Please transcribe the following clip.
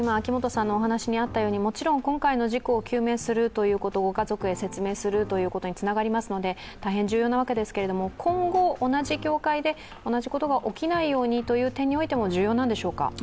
もちろん今回の事故を究明するということご家族へ説明するということにつながりますので大変重要なわけですけれども、今後同じ業界で同じことが起きないようにという点においても重要なんでしょうか。